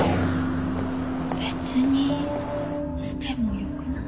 別にしてもよくない？